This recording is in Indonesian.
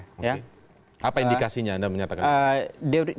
oke apa indikasinya anda menyatakan